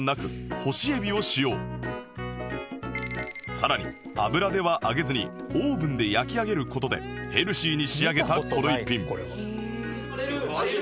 さらに油では揚げずにオーブンで焼き上げる事でヘルシーに仕上げたこの一品